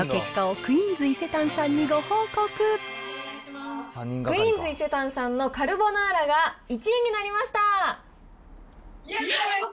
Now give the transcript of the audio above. クイーンズ伊勢丹さんのカルボナーラが１位になりました。